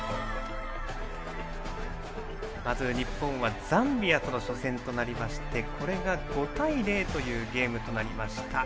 まず日本はザンビアとの初戦となりましてこれが５対０というゲームでした。